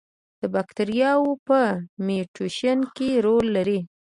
د باکتریاوو په میوټیشن کې رول لري.